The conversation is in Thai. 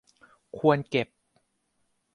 ควรเก็บ